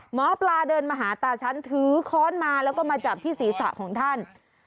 หมอปลาเดินมาหาตาฉันถือค้อนมาแล้วก็มาจับที่ศีรษะของท่าน